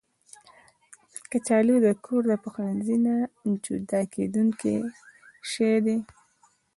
کچالو د کور پخلنځي نه جدا کېدونکی شی دی